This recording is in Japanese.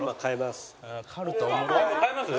変えます？